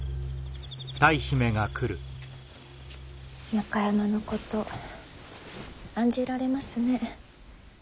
中山のこと案じられますね。